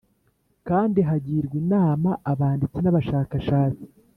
kandi hagirwa inama abanditsi n abashakashatsi